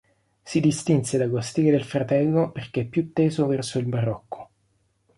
Si distinse dallo stile del fratello perché più teso verso il barocco.